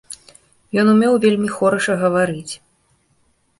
Ён умеў вельмі хораша гаварыць.